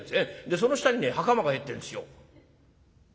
その下にね袴が入ってるんですよ」。